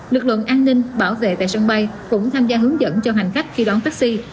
lực lượng an ninh bảo vệ tại sân bay cũng tham gia hướng dẫn cho hành khách khi đón taxi